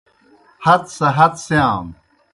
ہت سہ ہت سِیانوْ